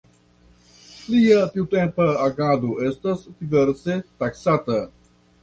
Lia tiutempa agado estas diverse taksata.